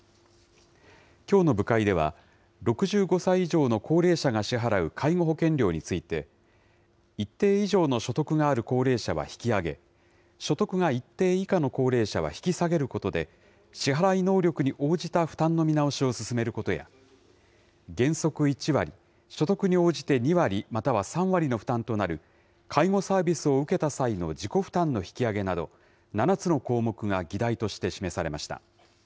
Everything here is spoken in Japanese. きょうの部会では、６５歳以上の高齢者が支払う介護保険料について、一定以上の所得がある高齢者は引き上げ、所得が一定以下の高齢者は引き下げることで、支払い能力に応じた負担の見直しを進めることや、原則１割、所得に応じて２割、または３割の負担となる、介護サービスを受けた際の自己負担の引き上げなど、７つの項目が議題として示されました。